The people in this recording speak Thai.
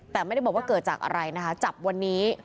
แต่ไม่ได้บอกว่าเกิดจากอะไรนะคะจับวันนี้